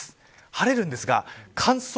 晴れるんですが乾燥、